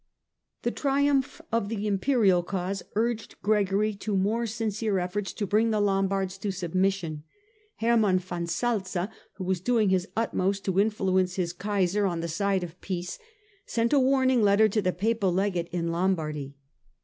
The triumph of the Imperial cause urged Gregory to more sincere efforts to bring the Lombards to submis sion. Hermann von Salza, who was doing his utmost to influence his Kaiser on the side of peace, sent a warning letter to the Papal Legates in Lombardy.